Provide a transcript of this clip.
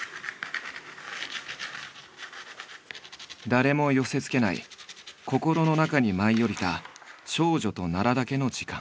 誰も寄せつけない心の中に舞い降りた少女と奈良だけの時間。